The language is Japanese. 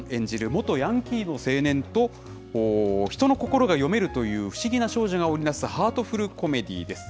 元ヤンキーの青年と、人の心が読めるという不思議な少女が織り成すハートフルコメディーです。